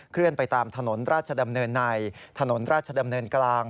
เลื่อนไปตามถนนราชดำเนินในถนนราชดำเนินกลาง